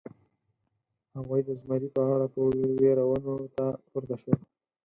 هغوی د زمري په اړه په وېره ونو ته پورته شول.